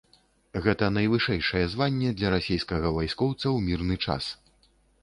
Гэта найвышэйшае званне для расейскага вайскоўца ў мірны час.